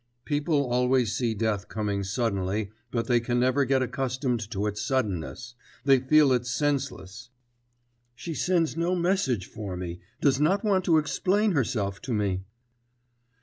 People always see death coming suddenly, but they can never get accustomed to its suddenness, they feel it senseless. 'She sends no message for me, does not want to explain herself to me....